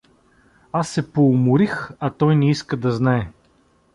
Аз се поуморих, а той не иска да знае.